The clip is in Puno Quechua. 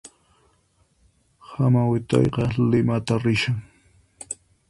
Hamaut'ayqa Limata rishan